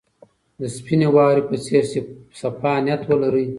د سپینې واورې په څېر صفا نیت ولرئ.